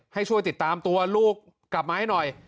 ให้ช่วยติดตามตัวลูกกลับมาให้หน่อย